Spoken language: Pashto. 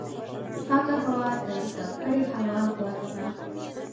پاکه هوا تر ککړې هوا غوره ده.